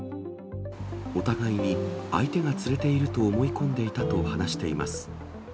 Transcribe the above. お互いに相手が連れていると思い込んでいたと話しています。